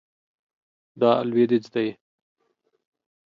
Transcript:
دا لویدیځ دی